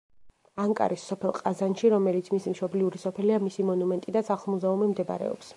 ანკარის სოფელ ყაზანში, რომელიც მისი მშობლიური სოფელია, მისი მონუმენტი და სახლ-მუზეუმი მდებარეობს.